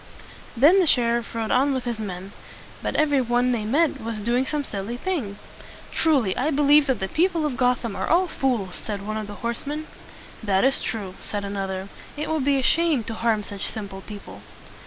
Then the sheriff rode on with his men; but every one that they met was doing some silly thing. "Truly I believe that the people of Gotham are all fools," said one of the horsemen. "That is true," said another. "It would be a shame to harm such simple people."